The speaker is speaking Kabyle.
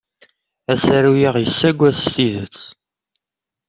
Asaru-a yessagad s tidet.